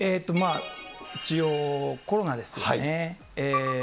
一応、コロナですよね。